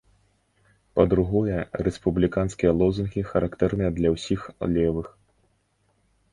Па-другое, рэспубліканскія лозунгі характэрныя для ўсіх левых.